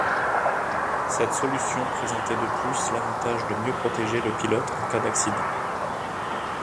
Cette solution présentait de plus l'avantage de mieux protéger le pilote en cas d'accident.